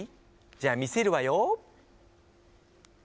じゃ見せるわよ。